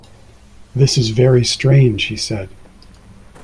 ‘This is very strange,’ he said.